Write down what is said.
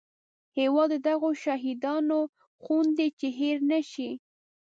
هیواد د هغو شهیدانو خون دی چې هېر نه شي